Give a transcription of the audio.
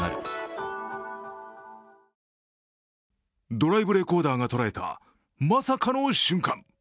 ドライブレコーダーが捉えたまさかの瞬間。